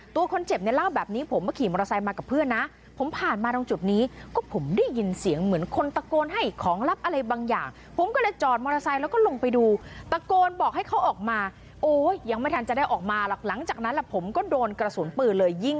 ตัวคนเจ็บเนี่ยเล่าแบบนี้ผมเมื่อกี้มอเตอร์ไซส์มากับเพื่อนนะ